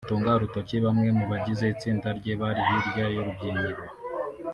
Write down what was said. atunga urutoki bamwe mu bagize itsinda rye bari hirya y’urubyiniro